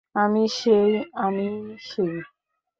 আমি সেই, আমিই সেই।